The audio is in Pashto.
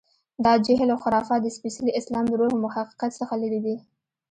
دا جهل و خرافات د سپېڅلي اسلام له روح و حقیقت څخه لرې دي.